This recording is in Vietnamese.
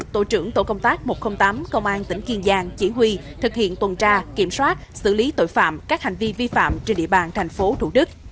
tổ trưởng tổ công tác một trăm linh tám công an tỉnh kiên giang chỉ huy thực hiện tuần tra kiểm soát xử lý tội phạm các hành vi vi phạm trên địa bàn thành phố thủ đức